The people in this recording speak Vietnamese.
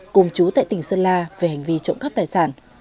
cùng chú tại tỉnh sơn la về hành vi trộm cắp tài sản